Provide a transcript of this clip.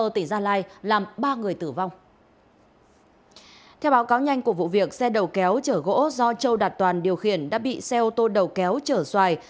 theo báo cáo nhanh của vụ việc xe đầu kéo chở gỗ do châu đạt toàn điều khiển đã bị xe ô tô đầu kéo chở xoài